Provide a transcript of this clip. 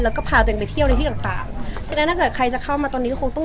แล้วก็พาตัวเองไปเที่ยวในที่ต่าง